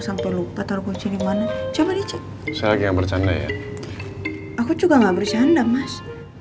sampai lupa taruh kuncinya gimana coba dicet saya lagi nggak bercanda ya aku juga nggak bercanda mas